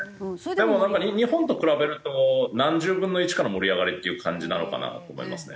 でも日本と比べると何十分の一かの盛り上がりという感じなのかなと思いますね。